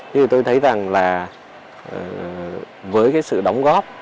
nhưng mà tôi thấy rằng là với cái sự đóng góp